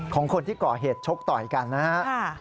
ของคนที่ก่อเหตุชกต่อยกันนะครับ